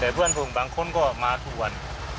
แต่เพื่อนผมบางคนก็มาทุกวัน